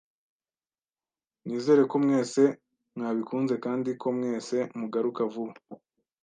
Nizere ko mwese mwabikunze kandi ko mwese mugaruka vuba.